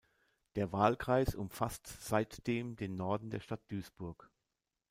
Der Wahlkreis umfasst seitdem den Norden der Stadt Duisburg.